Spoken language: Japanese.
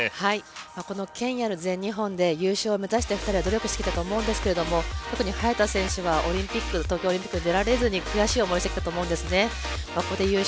この権威ある全日本選手権での優勝を目指して２人は努力してきたと思うんですが特に早田選手は東京オリンピックに出られずに悔しい思いをしてきたと思うんですね。